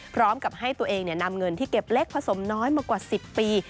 พร้อมกับให้ตัวเองนำเงินที่เก็บเล็กผสมน้อยมากว่า๑๐ปี